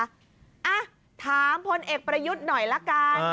อ่ะถามพลเอกประยุทธ์หน่อยละกัน